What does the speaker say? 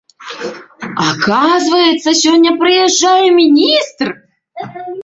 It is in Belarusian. Аказваецца, сёння прыязджае міністр!